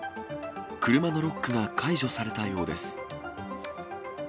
車のロックが解除されたようです。